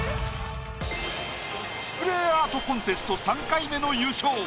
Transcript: スプレーアートコンテスト３回目の優勝。